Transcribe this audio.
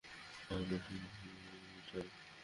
আমরা সবাই পিটার।